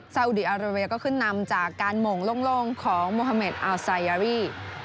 อุดีอาราเบียก็ขึ้นนำจากการหม่งโล่งของโมฮาเมดอัลไซยารี